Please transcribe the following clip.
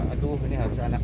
aduh ini harus anak